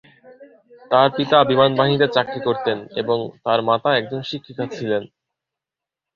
তার পিতা বিমান বাহিনীতে চাকরি করতেন এবং তার মাতা একজন শিক্ষিকা ছিলেন।